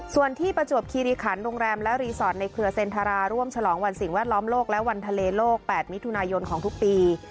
ส่วนที่ประจวบคิริขันโรงแรมและรีสอร์ทในเครือเซ็นทราร่วมฉลองวันสิ่งแวดล้อมโลกและวันทะเลโลก๘มิถุนายนของทุกปี